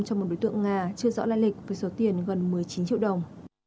cho một đối tượng nga chưa rõ lai lịch với số tiền gần một mươi chín triệu đồng